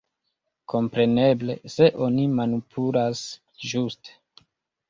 Kompreneble, se oni manipulas ĝuste.